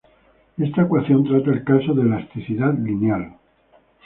Esta ecuación trata el caso de elasticidad lineal.